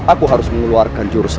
aku harus mengeluarkan jurus